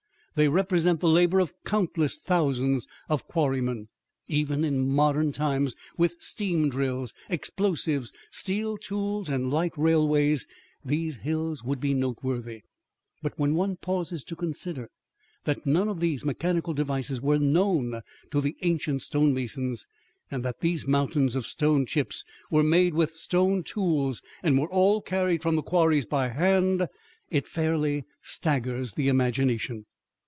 They represent the labor of countless thousands of quarrymen. Even in modern times, with steam drills, explosives, steel tools, and light railways, these hills would be noteworthy, but when one pauses to consider that none of these mechanical devices were known to the ancient stonemasons and that these mountains of stone chips were made with stone tools and were all carried from the quarries by hand, it fairly staggers the imagination.